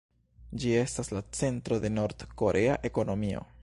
Ĝi estas la centro de Nord-korea ekonomio.